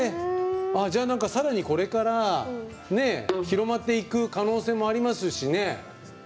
じゃあ、さらにこれから広まっていく可能性もありますしね。